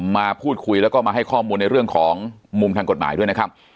มาพูดคุยแล้วก็มาให้ข้อมูลในเรื่องของมุมทางกฎหมายด้วยนะครับ